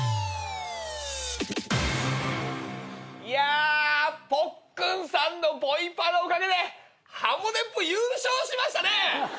いやぽっくんさんのボイパのおかげで『ハモネプ』優勝しましたね。